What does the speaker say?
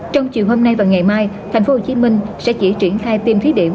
trong chiều hôm nay và ngày mai tp hcm sẽ chỉ triển khai tiêm thí điểm